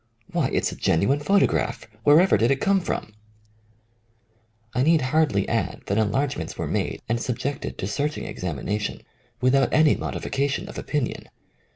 "Why, it's a gen uine photograph I Wherever did it come from?" 46 \ THE FIRST PUBLISHED ACCOUNT I need hardly add that enlargements were made and subjected to searching examina tion — without any modification of opinion.